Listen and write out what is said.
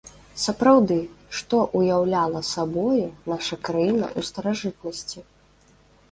Сапраўды, што ўяўляла сабою наша краіна ў старажытнасці?